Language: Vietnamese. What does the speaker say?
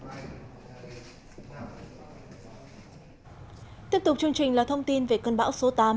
tiếp tục chương trình là thông tin về cơn bão số tám